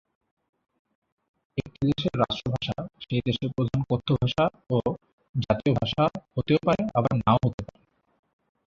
একটি দেশের রাষ্ট্রভাষা সেই দেশের প্রধান কথ্য ভাষা ও জাতীয় ভাষা হতেও পারে আবার নাও হতে পারে।